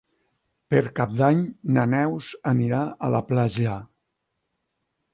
Per Cap d'Any na Neus anirà a la platja.